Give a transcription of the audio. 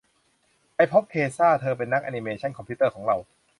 ไปพบเคช่า เธอเป็นนักแอนนิเมชั่นคอมพิวเตอร์ของเรา